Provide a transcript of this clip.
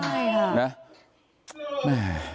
ใช่ค่ะ